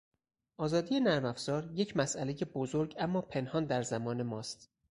آزادی نرمافزار یک مساله بزرگ اما پنهان در زمان ماست.